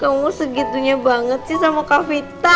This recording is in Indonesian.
kamu segitunya banget sih sama kak vita